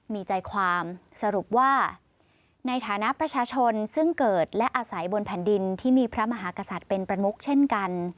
มีใจความสรุปว่าในฐานะประชาชนซึ่งเกิดและอาศัยบนแผ่นดินที่มีพระมหากษัตริย์เป็นประมุกเช่นกัน